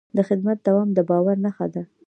د خدمت دوام د باور نښه ده.